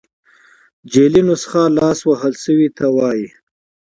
جعلي نسخه لاس وهل سوي ته وايي.